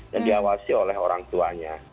dan diawasi oleh orang tuanya